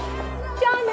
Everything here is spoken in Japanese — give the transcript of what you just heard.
じゃあね。